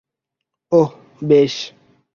ওহ, বেশ।